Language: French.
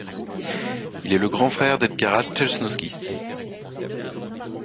Il est le grand frère d'Edgaras Česnauskis.